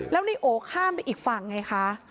แล้วในโอข้ามไปอีกฝั่งไงคะ